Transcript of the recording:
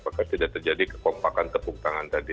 maka tidak terjadi kekompakan tepuk tangan tadi